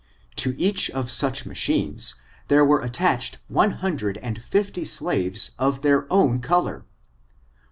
To each of such machines, there were attached one hun dred and fifty slaves of their own color.